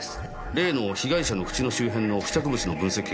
例の被害者の口の周辺の付着物の分析結果が出ました。